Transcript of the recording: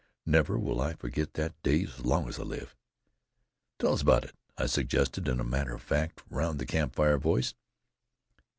Never will I forget that day as long as I live!" "Tell us about it," I suggested, in a matter of fact, round the campfire voice.